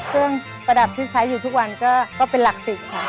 เครื่องประดับที่ใช้อยู่ทุกวันก็เป็นหลัก๑๐ค่ะ